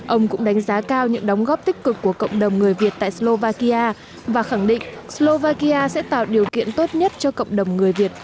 ông cũng đánh giá cao những đóng góp tích cực của cộng đồng người việt tại slovakia và khẳng định slovakia sẽ tạo điều kiện tốt nhất cho cộng đồng người việt